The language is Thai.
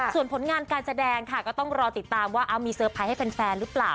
ส่วนผลงานการแสดงค่ะก็ต้องรอติดตามว่ามีเซอร์ไพรส์ให้แฟนหรือเปล่า